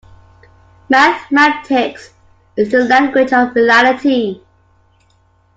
Mathematics is the language of reality.